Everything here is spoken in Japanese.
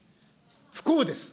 不幸です。